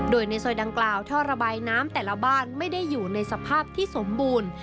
โดยในซอยดังกล่าวท่อระบายน้ำแต่ละบ้านไม่ได้อยู่ในสภาพที่สมบูรณ์